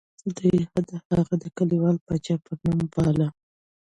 دوی هغه د کلیوال پاچا په نوم باله.